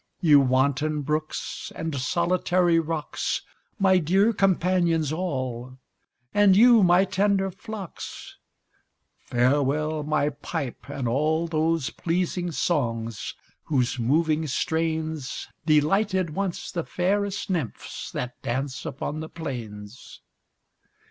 You wanton brooks, and solitary rocks, My dear companions all! and you, my tender flocks! Farewell my pipe, and all those pleasing songs, whose moving strains Delighted once the fairest nymphs that dance upon the plains!